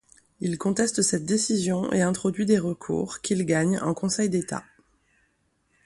Il conteste cette décision et introduit des recours, qu’il gagne, en Conseil d’état.